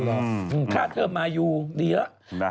หรอค่าเธอมาอยู่ดีแล้ว